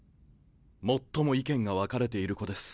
最も意見が分かれている子です。